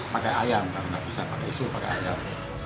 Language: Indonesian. pakai ayam karena nggak bisa pakai isu pakai ayam